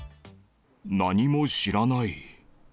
何も知らない。